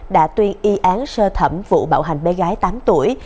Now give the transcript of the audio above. đã tuyên y án sơ thẩm vụ bạo hành bé gái tám tuổi